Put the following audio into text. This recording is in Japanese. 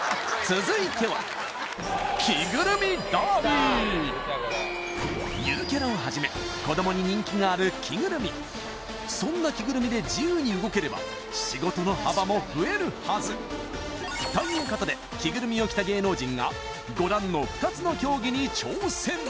続いてはゆるキャラをはじめそんな着ぐるみで自由に動ければ仕事の幅も増えるはずということで着ぐるみを着た芸能人がご覧の２つの競技に挑戦